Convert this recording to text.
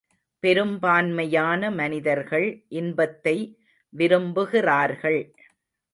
பெரும்பான்மையான மனிதர்கள் இன்பத்தை விரும்புகிறார்கள்.